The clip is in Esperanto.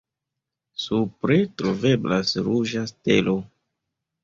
Supre troveblas ruĝa stelo.